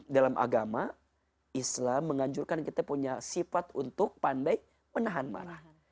dalam agama islam menganjurkan kita punya sifat untuk pandai menahan marah